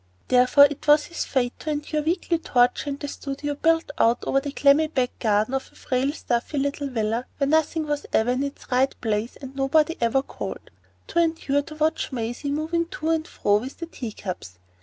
Therefore it was his fate to endure weekly torture in the studio built out over the clammy back garden of a frail stuffy little villa where nothing was ever in its right place and nobody every called,—to endure and to watch Maisie moving to and fro with the teacups.